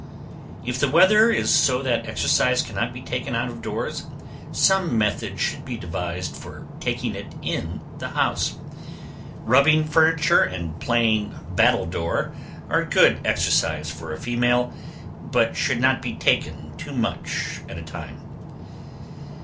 If the weather is so that exercise cannot be taken out of doors, some method should be devised for taking it in the house. Rubbing furniture and playing battle door, are good exercise for a female, but should not be taken too much at a time.